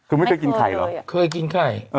คุณไม่เคยกินไข่เหรอคุณไม่เคยกินไข่เหรอ